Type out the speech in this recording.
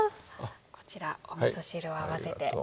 こちらお味噌汁を合わせて。